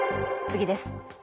次です。